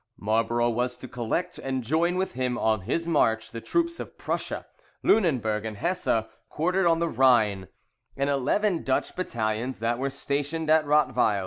Marlborough was to collect and join with him on his march the troops of Prussia, Luneburg, and Hesse, quartered on the Rhine, and eleven Dutch battalions that were stationed at Rothweil.